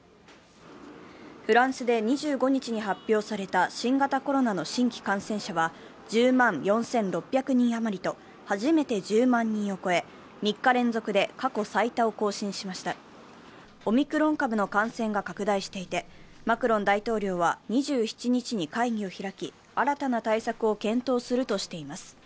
フランスで２５日に発表された新型コロナの新規感染者は１０万４６００人余りと初めて１０万人を超え３日連続で過去最多を更新しましたオミクロン株の感染が拡大していて、マクロン大統領は２７日に会議を開き新たな対策を検討するとしています。